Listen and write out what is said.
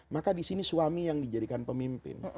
maka disini suami yang dijadikan pemimpin